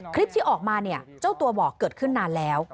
คลิปที่ออกมาเนี่ยเจ้าตัวบอกเกิดขึ้นนานแล้ว